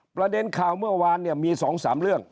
ประเด็นข่าวเมื่อวานเนี่ยมี๒๓เรื่อง